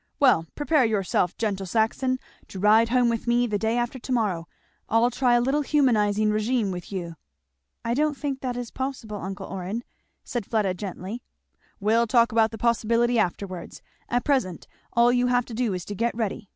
Well prepare yourself, gentle Saxon, to ride home with me the day after to morrow. I'll try a little humanizing regimen with you." "I don't think that is possible, uncle Orrin," said Fleda gently. "We'll talk about the possibility afterwards at present all you have to do is to get ready.